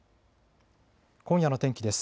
今夜の天気です。